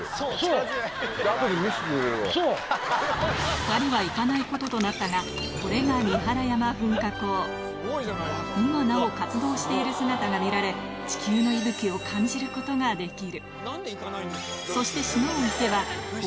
２人は行かないこととなったがこれが今なお活動している姿が見られ地球の息吹を感じることができるなんで行かない？